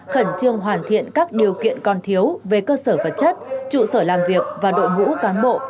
khẩn trương hoàn thiện các điều kiện còn thiếu về cơ sở vật chất trụ sở làm việc và đội ngũ cán bộ